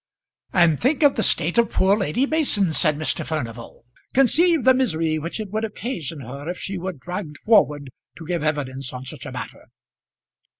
"And think of the state of poor Lady Mason!" said Mr. Furnival. "Conceive the misery which it would occasion her if she were dragged forward to give evidence on such a matter!"